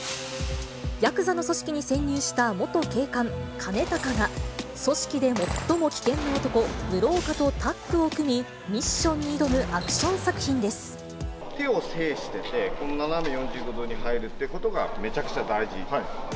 やくざの組織に潜入した元警官、兼高が、組織で最も危険な男、室岡とタッグを組み、ミッションに挑むアク手を制してて、斜め４５度に入るということが、めちゃくちゃ大事。